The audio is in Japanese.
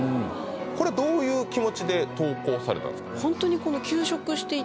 これどういう気持ちで投稿されたんですか？